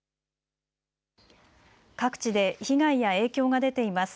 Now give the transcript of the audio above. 各地で被害や影響が出ています。